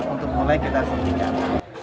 untuk mulai kita setikan